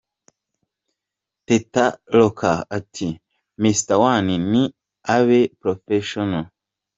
Tete Roca ati: "Mr One ni abe Professionel".